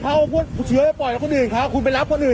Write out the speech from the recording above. เขาเรียกกำลังคบคุมโรคอยู่